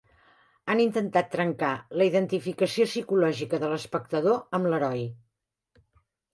Han intentat trencar la identificació psicològica de l'espectador amb l'heroi.